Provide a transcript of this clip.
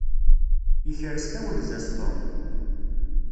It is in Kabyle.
Yekres tawenza-s Tom.